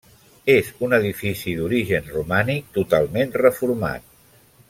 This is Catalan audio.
És un edifici d'origen romànic totalment reformat.